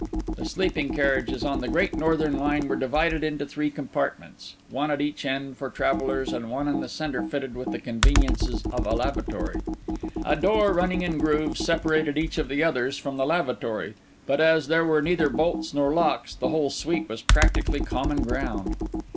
The sleeping carriages on the Great Northern line were divided into three compartments—one at each end for travellers, and one in the centre fitted with the conveniences of a lavatory. A door running in grooves separated each of the others from the lavatory; but as there were neither bolts nor locks, the whole suite was practically common ground.